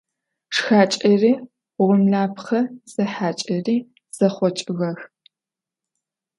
Шхакӏэри гъомлэпхъэ зехьакӏэри зэхъокӏыгъэх.